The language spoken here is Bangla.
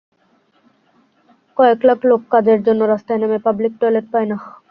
কয়েক লাখ লোক কাজের জন্য রাস্তায় নেমে পাবলিক টয়লেট পায় না।